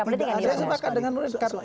politik yang dilanggar saya setakat dengan nurdin